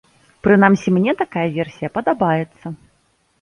Прынамсі, мне такая версія падабаецца.